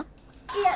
いや。